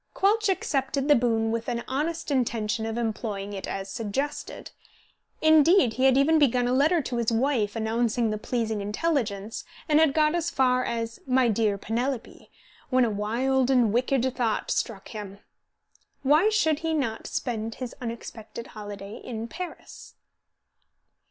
Quelch accepted the boon with an honest intention of employing it as suggested. Indeed, he had even begun a letter to his wife announcing the pleasing intelligence, and had got as far as "My dear Penelope," when a wild and wicked thought struck him: why should he not spend his unexpected holiday in Paris?